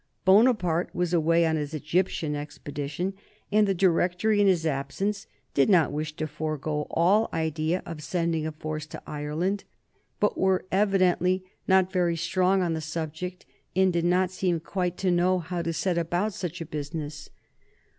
Bonaparte was away on his Egyptian expedition, and the Directory in his absence did not wish to forego all idea of sending a force to Ireland, but were evidently not very strong on the subject and did not seem quite to know how to set about such a business.